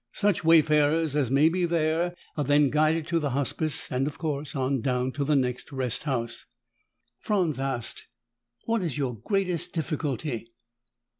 Such wayfarers as may be there are then guided to the Hospice and, of course, on down to the next rest house." Franz asked, "What is your greatest difficulty?"